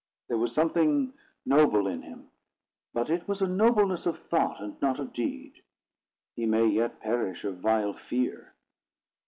There was something noble in him, but it was a nobleness of thought, and not of deed. He may yet perish of vile fear."